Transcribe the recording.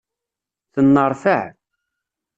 Tenneṛfaɛ.